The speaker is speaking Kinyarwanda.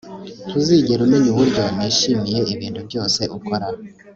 ntuzigera umenya uburyo nishimiye ibintu byose ukora